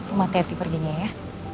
umat hati hati perginya ya